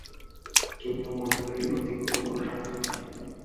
কেহ কেহ মনে করে, এই প্রতীকগুলির কোন সার্থকতা নাই।